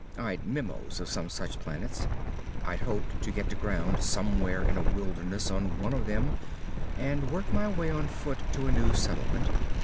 I'd memos of some such planets. I hoped to get to ground somewhere in a wilderness on one of them and work my way on foot to a new settlement.